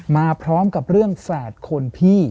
มาพร้อมกับเรื่องแฝดคนพี่